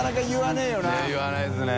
ねぇ言わないですね。